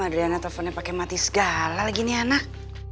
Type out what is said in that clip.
adriana telfonnya pake mati segala lagi nih anak